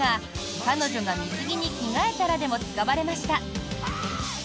「彼女が水着に着替えたら」でも使われました。